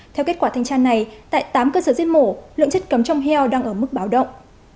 theo kết quả thanh tra này tại tám cơ sở giết mổ lượng chất cấm trong heo đang ở mức báo động